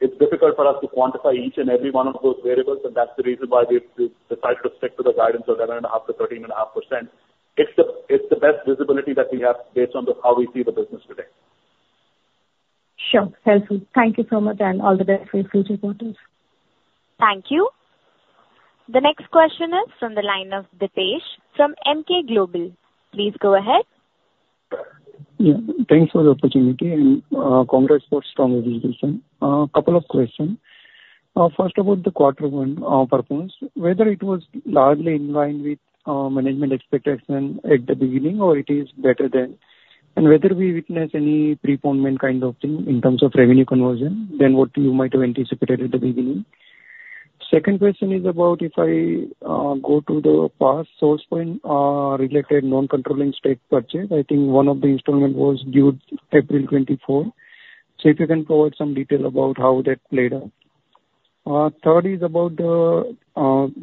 it's difficult for us to quantify each and every one of those variables. And that's the reason why we've decided to stick to the guidance of 11.5%-13.5%. It's the best visibility that we have based on how we see the business today. Sure. Helpful. Thank you so much, and all the best for your future quarters. Thank you. The next question is from the line of Dipesh from Emkay Global. Please go ahead. Thanks for the opportunity and congrats for strong organization. A couple of questions. First, about the quarter one performance, whether it was largely in line with management expectation at the beginning or it is better than, and whether we witness any preponement kind of thing in terms of revenue conversion than what you might have anticipated at the beginning. Second question is about if I go to the Firstsource related non-controlling stake purchase, I think one of the instruments was due April 2024. So if you can provide some detail about how that played out. Third is about the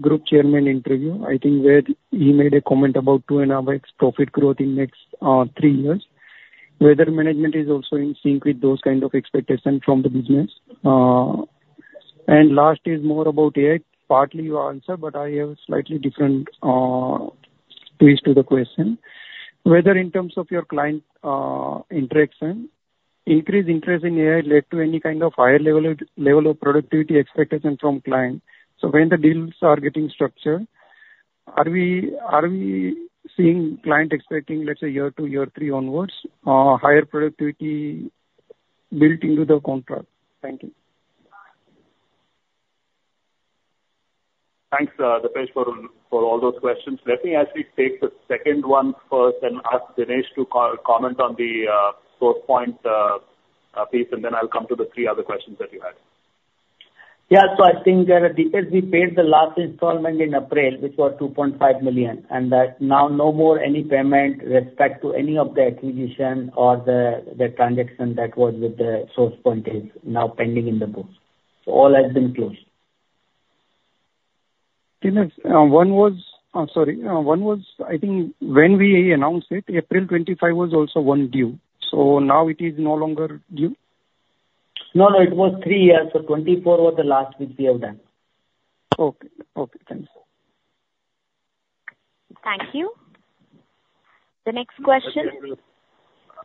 group chairman interview. I think he made a comment about 2.5x profit growth in the next three years, whether management is also in sync with those kinds of expectations from the business. And last is more about AI. Partly you answered, but I have a slightly different twist to the question. Whether in terms of your client interaction, increased interest in AI led to any kind of higher level of productivity expectation from clients. So when the deals are getting structured, are we seeing client expecting, let's say, year two, year three onwards, higher productivity built into the contract? Thank you. Thanks, Dipesh, for all those questions. Let me actually take the second one first and ask Dinesh to comment on the Sourcepoint piece, and then I'll come to the three other questions that you had. Yeah. So I think that as we paid the last installment in April, which was $2.5 million, and that now no more any payment respect to any of the acquisition or the transaction that was with the Sourcepoint is now pending in the book. So all has been closed. Dinesh, one was, I'm sorry. One was, I think, when we announced it, April 25 was also one due. So now it is no longer due? No, no. It was three years. So 2024 was the last which we have done. Okay. Okay. Thanks. Thank you. The next question.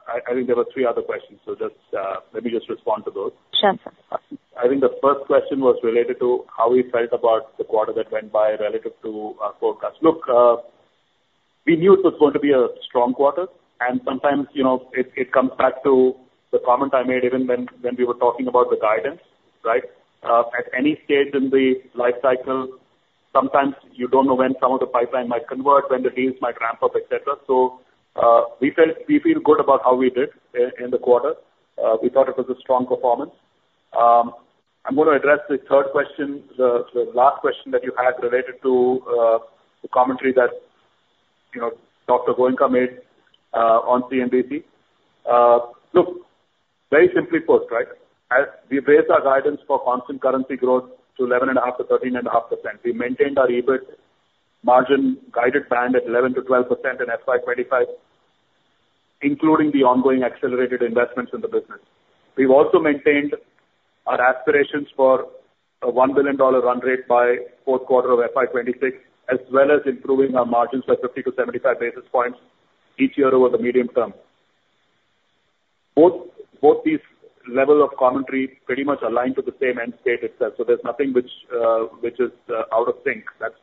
I think there were three other questions. So let me just respond to those. Sure, sir. I think the first question was related to how we felt about the quarter that went by relative to our forecast. Look, we knew it was going to be a strong quarter. And sometimes it comes back to the comment I made even when we were talking about the guidance, right? At any stage in the life cycle, sometimes you don't know when some of the pipeline might convert, when the deals might ramp up, etc. So we feel good about how we did in the quarter. We thought it was a strong performance. I'm going to address the third question, the last question that you had related to the commentary that Dr. Goenka made on CNBC. Look, very simply put, right? We raised our guidance for constant currency growth to 11.5%-13.5%. We maintained our EBIT margin guided band at 11%-12% in FY25, including the ongoing accelerated investments in the business. We've also maintained our aspirations for a $1 billion run rate by fourth quarter of FY26, as well as improving our margins by 50 to 75 basis points each year over the medium term. Both these levels of commentary pretty much align to the same end state itself. So there's nothing which is out of sync. That's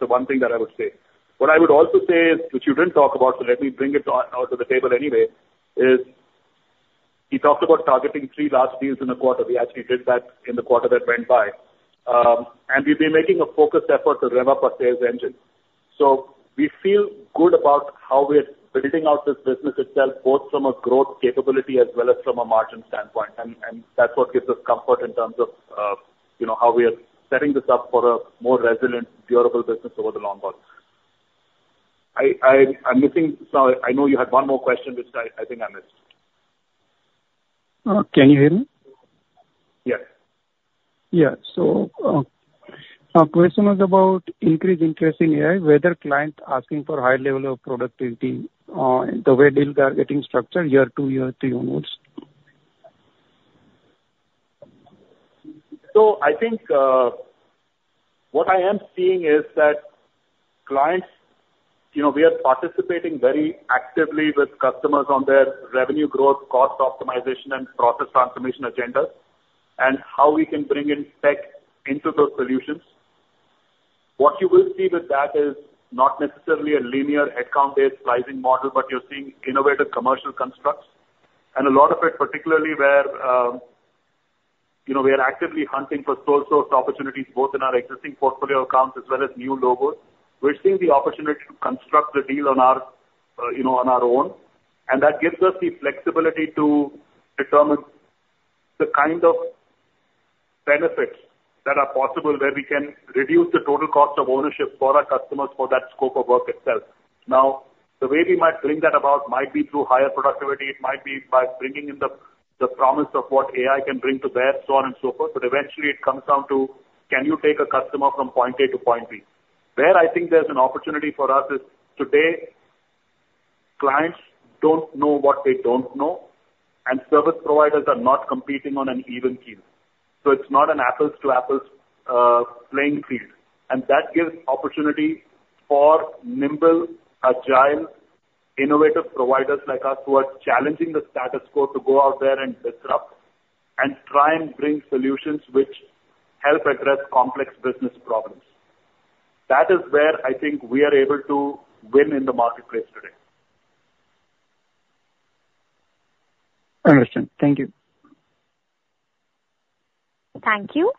the one thing that I would say. What I would also say is, which you didn't talk about, so let me bring it out to the table anyway, is we talked about targeting three last deals in the quarter. We actually did that in the quarter that went by. And we've been making a focused effort to rev up our sales engine. So we feel good about how we're building out this business itself, both from a growth capability as well as from a margin standpoint. And that's what gives us comfort in terms of how we are setting this up for a more resilient, durable business over the long run. I'm missing, sorry, I know you had one more question, which I think I missed. Can you hear me? Yes. Yeah. So our question was about increased interest in AI, whether clients are asking for higher level of productivity the way deals are getting structured year two, year three onwards. So I think what I am seeing is that clients, we are participating very actively with customers on their revenue growth, cost optimization, and process transformation agendas, and how we can bring in tech into those solutions. What you will see with that is not necessarily a linear headcount-based pricing model, but you're seeing innovative commercial constructs. A lot of it, particularly where we are actively hunting for sole source opportunities, both in our existing portfolio accounts as well as new logos. We're seeing the opportunity to construct the deal on our own. That gives us the flexibility to determine the kind of benefits that are possible where we can reduce the total cost of ownership for our customers for that scope of work itself. Now, the way we might bring that about might be through higher productivity. It might be by bringing in the promise of what AI can bring to bear, so on and so forth. But eventually, it comes down to, can you take a customer from point A to point B? Where I think there's an opportunity for us is today, clients don't know what they don't know, and service providers are not competing on an even keel. So it's not an apples-to-apples playing field. And that gives opportunity for nimble, agile, innovative providers like us who are challenging the status quo to go out there and disrupt and try and bring solutions which help address complex business problems. That is where I think we are able to win in the marketplace today. Understood. Thank you. Thank you.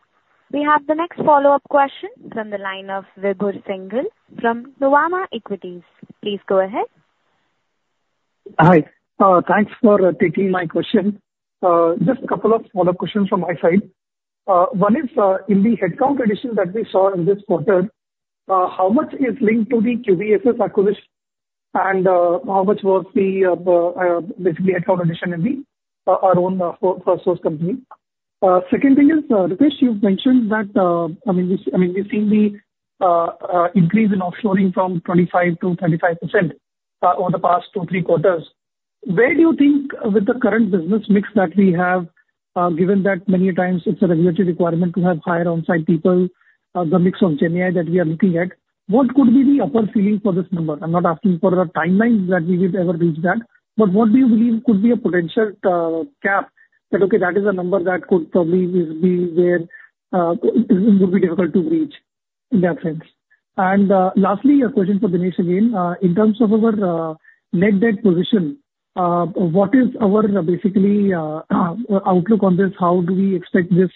We have the next follow-up question from the line of Vibhor Singhal from Nuvama Equities. Please go ahead. Hi. Thanks for taking my question. Just a couple of follow-up questions from my side. One is, in the headcount addition that we saw in this quarter, how much is linked to the QBSS acquisition and how much was the headcount addition in our own Firstsource company? Second thing is, Ritesh, you've mentioned that, I mean, we've seen the increase in offshoring from 25% to 35% over the past two, three quarters. Where do you think, with the current business mix that we have, given that many times it's a regulatory requirement to have higher on-site people, the mix of GenAI that we are looking at, what could be the upper ceiling for this number? I'm not asking for a timeline that we would ever reach that, but what do you believe could be a potential cap that, okay, that is a number that could probably be where it would be difficult to reach in that sense? And lastly, a question for Dinesh again. In terms of our net debt position, what is our basically outlook on this? How do we expect this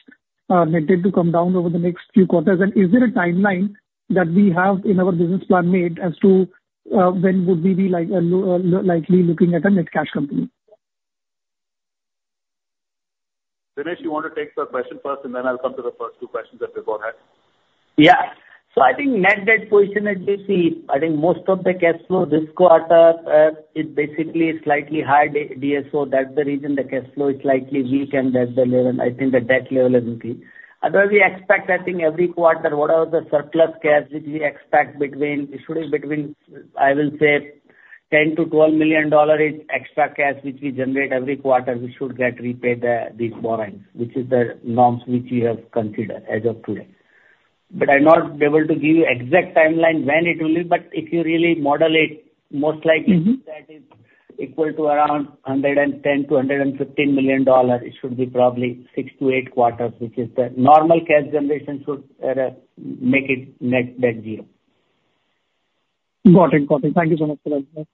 net debt to come down over the next few quarters? And is there a timeline that we have in our business plan made as to when would we be likely looking at a net cash company? Dinesh, you want to take the question first, and then I'll come to the first two questions that we've got ahead. Yeah. So I think net debt position as you see, I think most of the cash flow this quarter, it's basically slightly high DSO. That's the reason the cash flow is slightly weak and that's the level. I think the debt level is weak. Otherwise, we expect, I think, every quarter, whatever the surplus cash, which we expect between, I will say, $10 million-$12 million extra cash, which we generate every quarter, we should get repaid these borrowings, which is the norms which we have considered as of today. But I'm not able to give you an exact timeline when it will be, but if you really model it, most likely that is equal to around $110 million-$115 million. It should be probably six to eight quarters, which is the normal cash generation should make it net debt zero. Got it. Got it. Thank you so much for that. My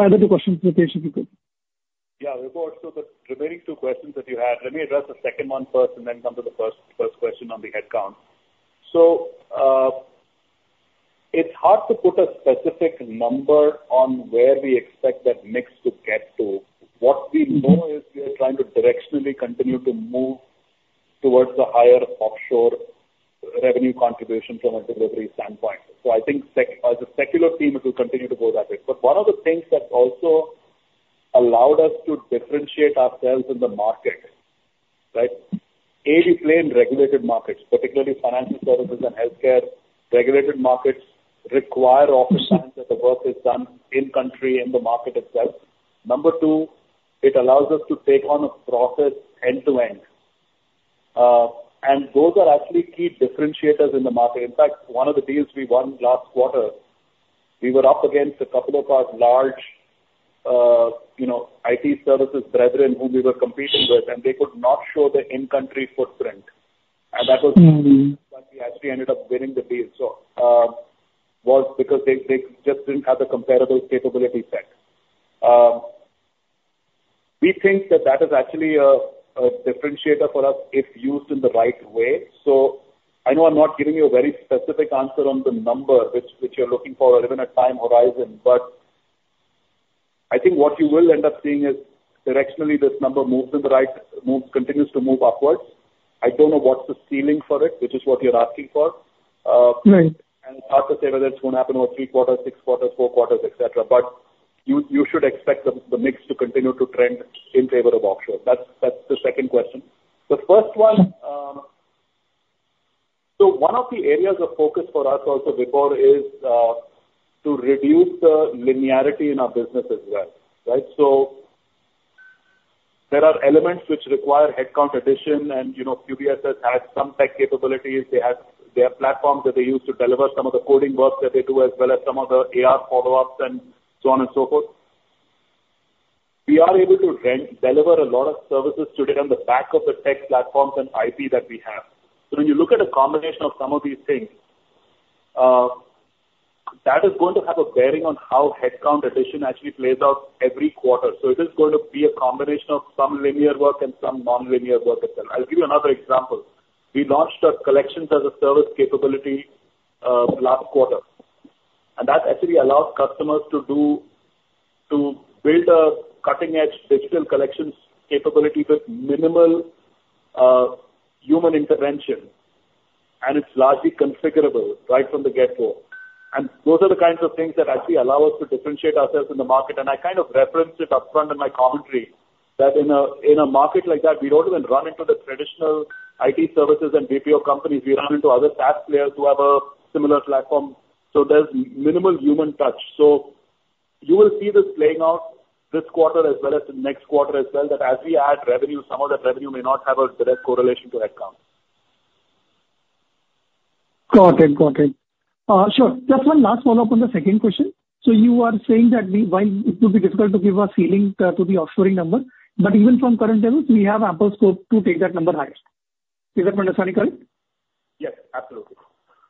other two questions were basically good. Yeah. We've got also the remaining two questions that you had. Let me address the second one first and then come to the first question on the headcount. So it's hard to put a specific number on where we expect that mix to get to. What we know is we are trying to directionally continue to move towards the higher offshore revenue contribution from a delivery standpoint. So I think as a secular team, it will continue to go that way. But one of the things that also allowed us to differentiate ourselves in the market, right? A, we play in regulated markets, particularly financial services and healthcare. Regulated markets require a presence that the work is done in-country in the market itself. Number two, it allows us to take on a process end-to-end. And those are actually key differentiators in the market. In fact, one of the deals we won last quarter, we were up against a couple of our large IT services brethren whom we were competing with, and they could not show the in-country footprint. And that was why we actually ended up winning the deal. So it was because they just didn't have the comparable capability set. We think that that is actually a differentiator for us if used in the right way. So I know I'm not giving you a very specific answer on the number which you're looking for or even a time horizon, but I think what you will end up seeing is directionally this number moves in the right, continues to move upwards. I don't know what's the ceiling for it, which is what you're asking for. And it's hard to say whether it's going to happen over three quarters, six quarters, four quarters, etc. But you should expect the mix to continue to trend in favor of offshore. That's the second question. The first one, so one of the areas of focus for us also Vibhor is to reduce the linearity in our business as well, right? So there are elements which require headcount addition, and QBSS has some tech capabilities. They have platforms that they use to deliver some of the coding work that they do, as well as some of the AR follow-ups and so on and so forth. We are able to deliver a lot of services today on the back of the tech platforms and IP that we have. So when you look at a combination of some of these things, that is going to have a bearing on how headcount addition actually plays out every quarter. So it is going to be a combination of some linear work and some non-linear work itself. I'll give you another example. We launched a collections as a service capability last quarter. And that actually allows customers to build a cutting-edge digital collections capability with minimal human intervention. And it's largely configurable right from the get-go. And those are the kinds of things that actually allow us to differentiate ourselves in the market. And I kind of referenced it upfront in my commentary that in a market like that, we don't even run into the traditional IT services and BPO companies. We run into other SaaS players who have a similar platform. So there's minimal human touch. So you will see this playing out this quarter as well as the next quarter as well that as we add revenue, some of that revenue may not have a direct correlation to headcount. Got it. Got it. Sure. Just one last follow-up on the second question. So you are saying that while it would be difficult to give a feeling to the offshoring number, but even from current levels, we have ample scope to take that number higher. Is that my understanding correct? Yes. Absolutely.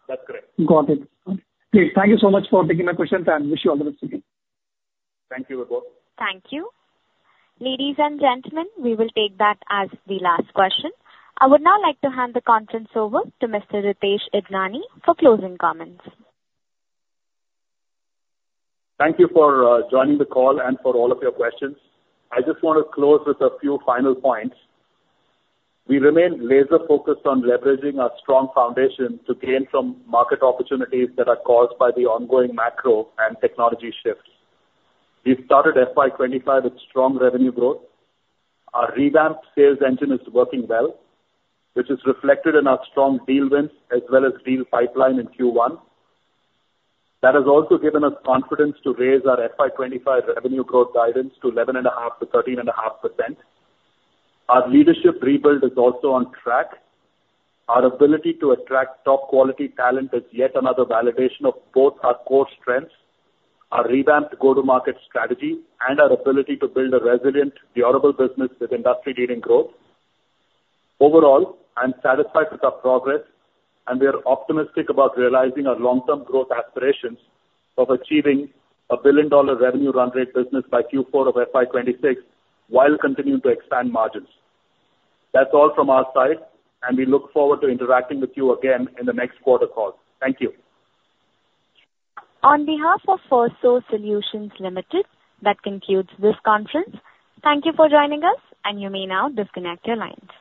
That's correct. Got it. Great. Thank you so much for taking my questions, and wish you all the best. Thank you, Vibhor. Thank you. Ladies and gentlemen, we will take that as the last question. I would now like to hand the conference over to Mr. Ritesh Idnani for closing comments. Thank you for joining the call and for all of your questions. I just want to close with a few final points. We remain laser-focused on leveraging our strong foundation to gain from market opportunities that are caused by the ongoing macro and technology shifts. We've started FY25 with strong revenue growth. Our revamped sales engine is working well, which is reflected in our strong deal wins as well as deal pipeline in Q1. That has also given us confidence to raise our FY25 revenue growth guidance to 11.5%-13.5%. Our leadership rebuild is also on track. Our ability to attract top-quality talent is yet another validation of both our core strengths, our revamped go-to-market strategy, and our ability to build a resilient, durable business with industry-leading growth. Overall, I'm satisfied with our progress, and we are optimistic about realizing our long-term growth aspirations of achieving a billion-dollar revenue run rate business by Q4 of FY26 while continuing to expand margins. That's all from our side, and we look forward to interacting with you again in the next quarter call. Thank you. On behalf of Firstsource Solutions Limited, that concludes this conference. Thank you for joining us, and you may now disconnect your lines.